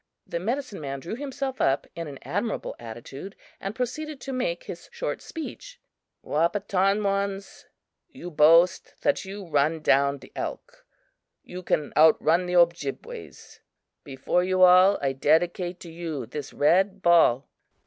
The medicine man drew himself up in an admirable attitude, and proceeded to make his short speech: "Wahpetonwans, you boast that you run down the elk; you can outrun the Ojibways. Before you all, I dedicate to you this red ball.